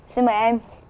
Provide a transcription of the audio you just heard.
xin mời em